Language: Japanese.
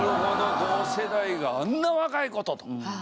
同世代が「あんな若い子と」と。